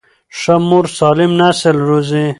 ښه مور سالم نسل روزي.